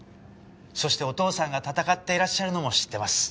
そしてお父さんが闘っていらっしゃるのも知ってます。